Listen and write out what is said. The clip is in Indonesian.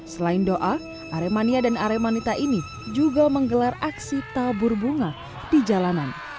selain doa aremania dan aremanita ini juga menggelar aksi tabur bunga di jalanan